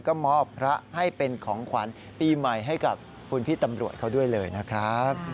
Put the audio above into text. ก็มอบพระให้เป็นของขวัญปีใหม่ให้กับคุณพี่ตำรวจเขาด้วยเลยนะครับ